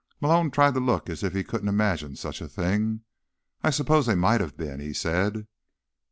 Malone tried to look as if he couldn't imagine such a thing. "I suppose they might have been," he said.